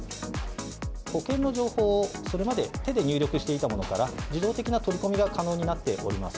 保険の情報を、それまで手で入力していたものから、自動的な取り込みが可能になっております。